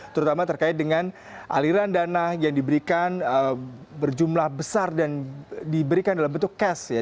terutama terkait dengan aliran dana yang diberikan berjumlah besar dan diberikan dalam bentuk cash ya